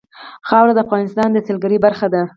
خاوره د افغانستان د سیلګرۍ برخه ده.